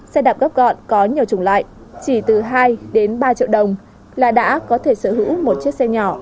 xe đạp góp gọn có nhiều chủng loại chỉ từ hai đến ba triệu đồng là đã có thể sở hữu một chiếc xe nhỏ